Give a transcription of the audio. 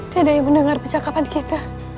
tidak ada yang mendengar percakapan kita